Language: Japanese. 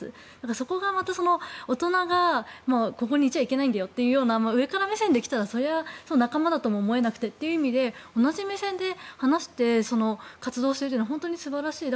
そこが、大人がここにいちゃいけないんだよというような上から目線で来たらそれは仲間だとも思えなくてという意味で同じ目線で話して活動しているのは本当に素晴らしい。